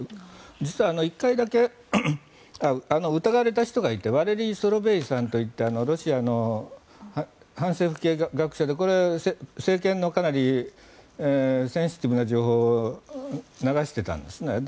実は１回だけ疑われた人がいてワレリーさんといってロシアの反政府系学者でこれは政権のセンシティブな情報を流していたんですね。